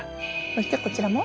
そしてこちらも？